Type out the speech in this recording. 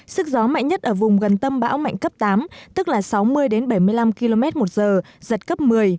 sức gió mạnh nhất ở vùng gần tâm bão mạnh cấp tám tức là sáu mươi bảy mươi năm km một giờ giật cấp một mươi